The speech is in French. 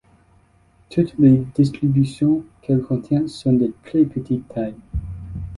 Toutes les distributions qu'elle contient sont de très petite taille.